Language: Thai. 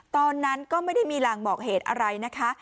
ตอนนั้นก็ไม่ได้มีรางบอกเหตุอะไรนะคะ